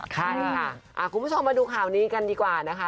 ใช่ค่ะคุณผู้ชมมาดูข่าวนี้กันดีกว่านะคะ